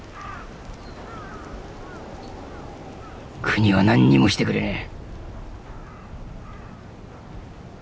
国は何にもしてくれねえ！